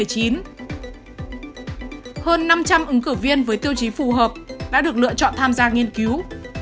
hơn năm trăm linh ứng cử viên với tiêu chí phù hợp đã được lựa chọn tham gia nghiên cứu